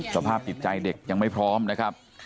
สภาพจิตใจเด็กยังไม่พร้อมนะครับ